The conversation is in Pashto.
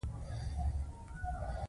کتابچه راکړه، قرض پسې ليکم!